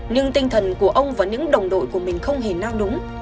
nhưng tinh thần của ông và những đồng đội của mình không hề nao núng